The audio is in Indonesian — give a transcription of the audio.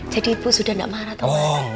jadi ibu sudah enggak marah tahu enggak